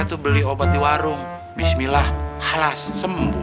itu itu beli obat di wrance bismillah halas sembuh